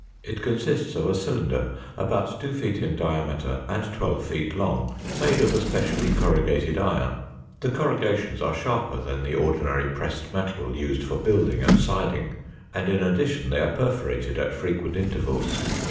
It consists of a cylinder about two feet in diameter and twelve feet long, made of a specially corrugated iron. The corrugations are sharper than the ordinary pressed metal used for building and siding, and in addition they are perforated at frequent intervals.